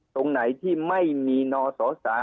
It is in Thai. ตรงไหนที่ไม่มีนสส